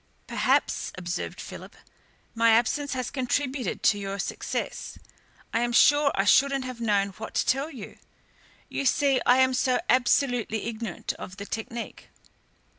"Perhaps," observed Philip, "my absence has contributed to your success. I am sure I shouldn't have known what to tell you. You see, I am so absolutely ignorant of the technique."